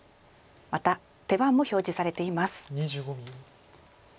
また手番も表示されています。